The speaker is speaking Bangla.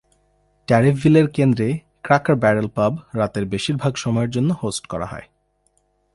ট্যারিফভিলের কেন্দ্রে, ক্রাকার ব্যারেল পাব রাতের বেশিরভাগ সময়ের জন্য হোস্ট করা হয়।